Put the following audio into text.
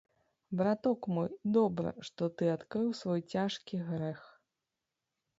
Браток мой, добра, што ты адкрыў свой цяжкі грэх.